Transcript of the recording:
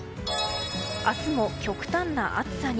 明日も極端な暑さに。